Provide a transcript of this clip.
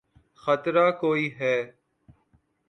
خطرہ کوئی ہے۔